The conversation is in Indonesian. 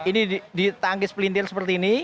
ini ditangkis pelintir seperti ini